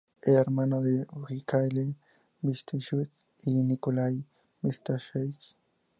Era hermano de Mijaíl Bestúzhev y Nikolái Bestúzhev.